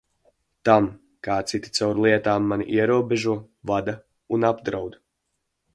Tam, kā citi caur lietām mani ierobežo, vada un apdraud.